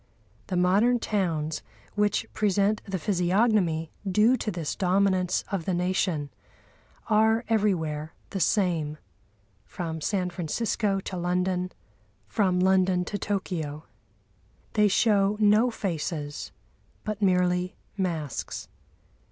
The modern towns, which present the physiognomy due to this dominance of the Nation, are everywhere the same, from San Francisco to London, from London to Tokyo. They show no faces, but merely masks.